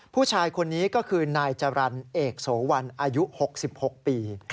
ผู้ชายคนนี้ก็คือนายจรรย์เอกโสวันอายุ๖๖ปี